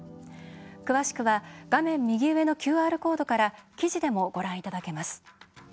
詳しくは画面右上のＱＲコードから記事でも、ご覧いただけます。